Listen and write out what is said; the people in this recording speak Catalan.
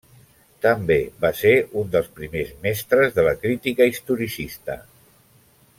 També va ser un dels primers mestres de la crítica historicista.